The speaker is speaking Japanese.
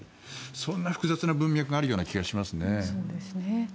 そんな複雑な文脈があるような気がします。